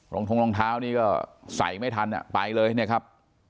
รองทงรองเท้านี่ก็ใส่ไม่ทันไปเลยเนี่ยครับ